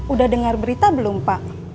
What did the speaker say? udah dengar berita belum pak